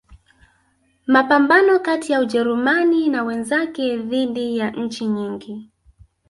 Mapambano kati ya Ujerumani na wenzake dhidi ya nchi nyingi